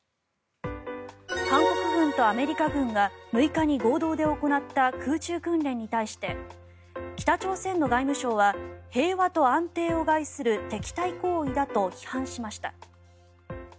韓国軍とアメリカ軍が６日に合同で行った空中訓練に対して北朝鮮の外務省は平和と安定を害する敵対行為だと批判しました。